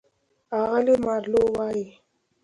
اغلې مارلو وايي: